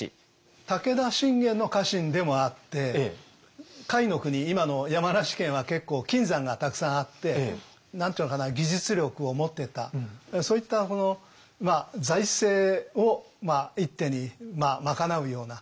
武田信玄の家臣でもあって甲斐国今の山梨県は結構金山がたくさんあって何て言うのかな技術力を持ってたそういった財政を一手に賄うようなそういう仕事をさせてます。